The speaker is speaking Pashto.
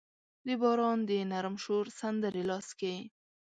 د باران د نرم شور سندرې لاس کې